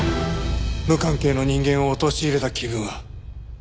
無関係の人間を陥れた気分は。